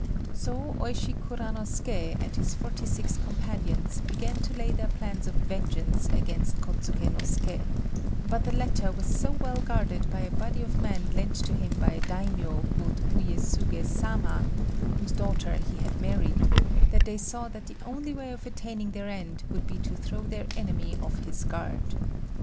So Oishi Kuranosuké and his forty six companions began to lay their plans of vengeance against Kôtsuké no Suké; but the latter was so well guarded by a body of men lent to him by a daimio called Uyésugi Sama, whose daughter he had married, that they saw that the only way of attaining their end would be to throw their enemy off his guard.